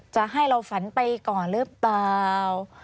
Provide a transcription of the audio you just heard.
จะให้เราฝันไปก่อนหรือเปล่า